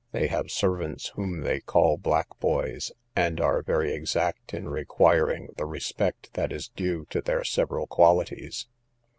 They have servants whom they call black boys, and are very exact in requiring the respect that is due to their several qualities.